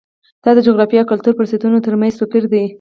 دا د جغرافیې او کلتور فرضیو ترمنځ توپیر دی.